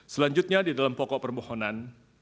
selanjutnya di dalam pokok permohonan